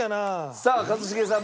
さあ一茂さん